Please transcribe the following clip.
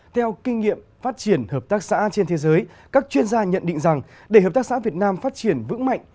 theo kinh nghiệm phát triển hợp tác xã trên thế giới các chuyên gia nhận định rằng để hợp tác xã việt nam phát triển vững mạnh